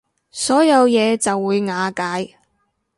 所有嘢就會瓦解